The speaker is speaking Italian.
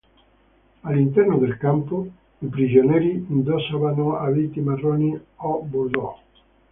All'interno del campo i prigionieri indossavano abiti marroni o bordeaux.